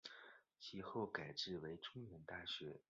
其后改制为中原大学。